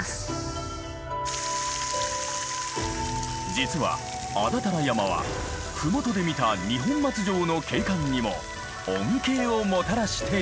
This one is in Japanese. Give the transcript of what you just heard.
実は安達太良山は麓で見た二本松城の景観にも恩恵をもたらしている。